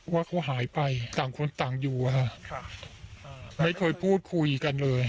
ว่าเขาหายไปต่างคนต่างอยู่ไม่เคยพูดคุยกันเลย